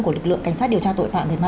của lực lượng cảnh sát điều tra tội phạm